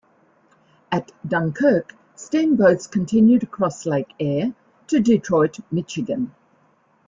At Dunkirk steamboats continued across Lake Erie to Detroit, Michigan.